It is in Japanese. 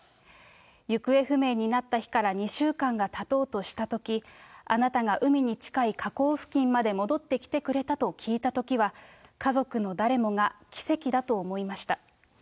行方不明になった日から２週間がたとうとしたとき、あなたが海に近い河口付近まで戻ってきてくれたと聞いたときは、家族の誰もが奇跡だと思いました。